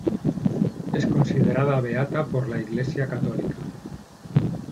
Es considerada beata por la Iglesia católica.